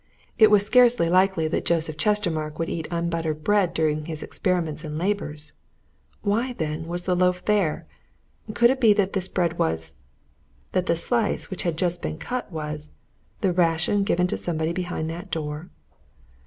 It was scarcely likely that Joseph Chestermarke would eat unbuttered bread during his experiments and labours why, then, was the loaf there? Could it be that this bread was that the slice which had just been cut was the ration given to somebody behind that door?